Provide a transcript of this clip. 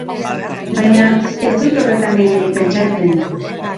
Baina ez dut horretan gehiegi pentsatzen.